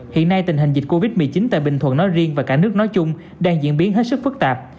hiện nay tình hình dịch covid một mươi chín tại bình thuận nói riêng và cả nước nói chung đang diễn biến hết sức phức tạp